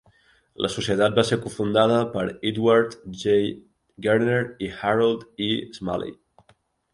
La societat va ser cofundada per Edward J. Gerner i Harold E. Smalley.